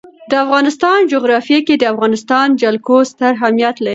د افغانستان جغرافیه کې د افغانستان جلکو ستر اهمیت لري.